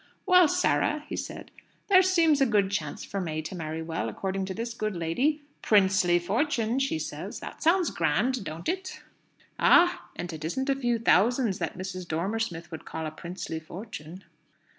"Well, Sarah," he said, "there seems a good chance for May to marry well, according to this good lady. 'Princely fortune,' she says. That sounds grand, don't it?" "Ah! And it isn't a few thousands that Mrs. Dormer Smith would call a princely fortune."